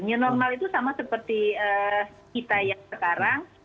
new normal itu sama seperti kita yang sekarang